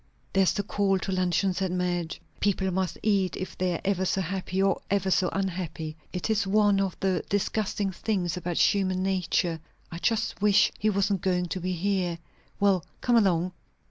"There's the call to luncheon!" said Madge. "People must eat, if they're ever so happy or ever so unhappy. It is one of the disgusting things about human nature. I just wish he wasn't going to be here. Well come along!"